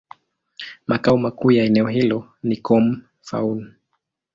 Makao makuu ya eneo hilo ni Koun-Fao.